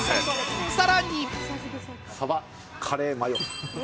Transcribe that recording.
さらに。